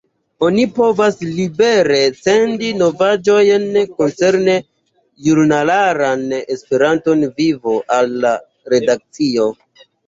Oni povas libere sendi novaĵojn koncerne junularan Esperanto-vivon al la redakcio.